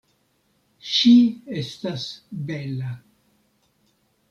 Ŝi estas bela.